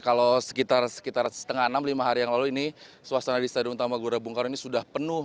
kalau sekitar setengah enam lima hari yang lalu ini suasana di stadion utama gelora bung karno ini sudah penuh